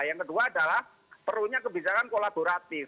yang kedua adalah perlunya kebijakan kolaboratif